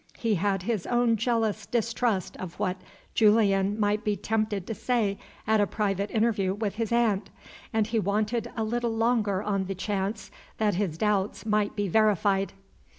He had his own jealous distrust of what Julian might be tempted to say at a private interview with his aunt; and he waited a little longer on the chance that his doubts might be verified.